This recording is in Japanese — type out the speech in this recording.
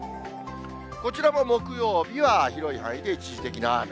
こちらも木曜日は広い範囲で一時的な雨。